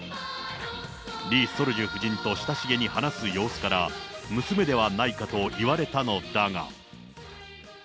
リ・ソルジュ夫人と親しげに話す様子から、娘ではないかといわれたのだが。